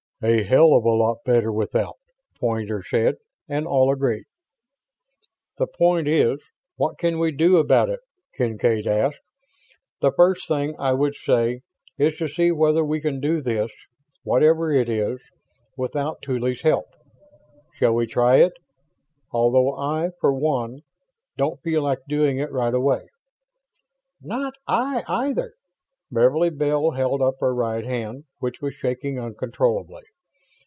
"A hell of a lot better without," Poynter said, and all agreed. "The point is, what can we do about it?" Kincaid asked. "The first thing, I would say, is to see whether we can do this whatever it is without Tuly's help. Shall we try it? Although I, for one, don't feel like doing it right away." "Not I, either." Beverly Bell held up her right hand, which was shaking uncontrollably.